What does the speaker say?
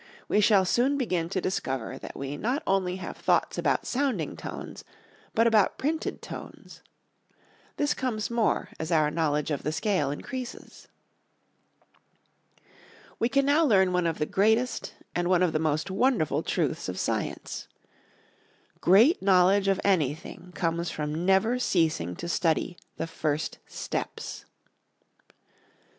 We shall soon begin to discover that we not only have thoughts about sounding tones, but about printed tones. This comes more as our knowledge of the scale increases. We can now learn one of the greatest and one of the most wonderful truths of science: _Great knowledge of anything comes from never ceasing to study the first steps.